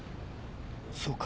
そうか。